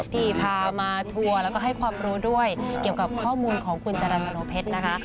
ที่พามาทัวร์แล้วก็ให้ความรู้ด้วยเกี่ยวกับข้อมูลของคุณจรรย์มโนเพชรนะคะ